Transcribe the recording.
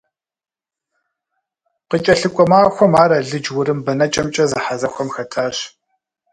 КъыкӀэлъыкӀуэ махуэм ар алыдж-урым бэнэкӀэмкӀэ зэхьэзэхуэм хэтащ.